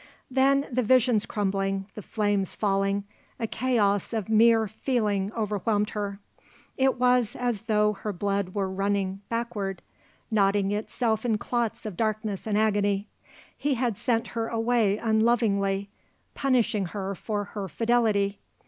Then, the visions crumbling, the flames falling, a chaos of mere feeling overwhelmed her. It was as though her blood were running backward, knotting itself in clots of darkness and agony. He had sent her away unlovingly punishing her for her fidelity.